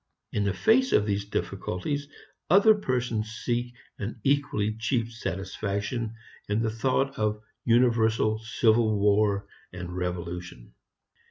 In the face of these difficulties other persons seek an equally cheap satisfaction in the thought of universal civil war and revolution.